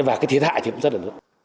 và cái thiệt hại thì cũng rất là lớn